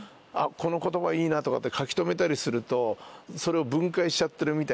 「この言葉いいな」とかって書き留めたりするとそれを分解しちゃってるみたいで。